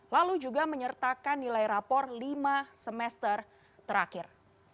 lalu juga menyertakan nilai rapor lima semester terakhir